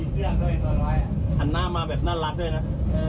เดี๋ยวอันหน้ามาแบบน่ารักด้วยนะ